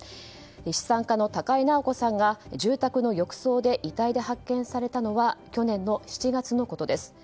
資産家の高井直子さんが住宅の浴槽で遺体で発見されたのは去年の７月のことです。